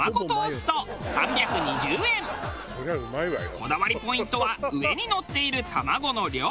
こだわりポイントは上にのっている卵の量。